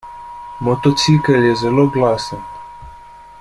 Motocikel je zelo glasen.